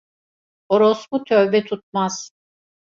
Orospu tövbe tutmaz.